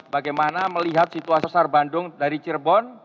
bagaimana melihat situasi sar bandung dari cirebon